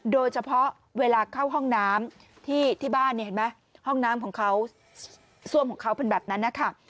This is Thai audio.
โดยเฉพาะเวลาเข้าห้องน้ำที่บ้านห้องน้ำของเขาซ่วมของเขาเป็นแบบนั้นนะคะ